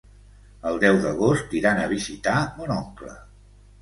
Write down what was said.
El deu d'agost iran a visitar mon oncle.